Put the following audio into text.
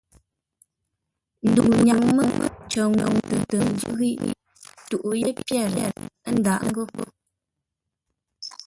Ndəu nyaŋ mə́ cər ngwʉ̂ tə nzúʼ ghíʼ toghʼə́ yé pyêr, ə́ ndǎʼ ngô.